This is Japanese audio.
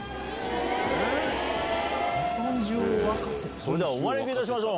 それではお招きいたしましょう。